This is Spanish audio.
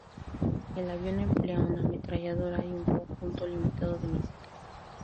El avión emplea una ametralladora y un conjunto limitado de misiles.